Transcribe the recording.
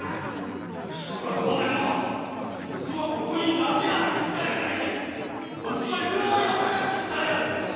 人がどうでもわしはここに鍋洗いに来たんやないでッわしは料理を覚えたくて来たんやで！